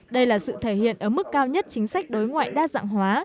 đây là sự thể hiện ở mức cao nhất chính sách đối ngoại đa dạng hóa